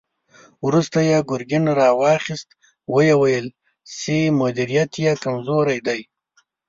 وروسته يې ګرګين را واخيست، ويې ويل چې مديريت يې کمزوری دی.